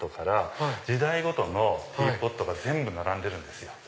時代ごとのティーポットが全部並んでるんですよ。